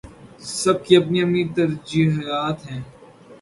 سب کی اپنی اپنی ترجیحات ہیں۔